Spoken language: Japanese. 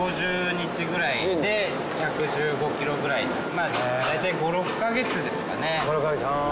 まあ大体５６カ月ですかね。